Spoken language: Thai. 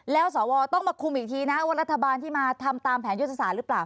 แล้วสวต้องมาคุมอีกทีนะว่ารัฐบาลที่มาทำตามแผนยุทธศาสตร์หรือเปล่า